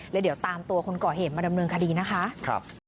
แล้วเดี๋ยวตามตัวคนก่อเหตุมาดำเนินคดีนะคะ